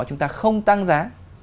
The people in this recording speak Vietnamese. chúng ta không tăng giá